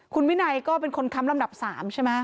คุณวินัยก็เป็นคนค้ำลำดับ๓ใช่ไหม